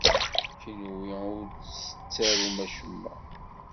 Kenwi ur tettarum acemma.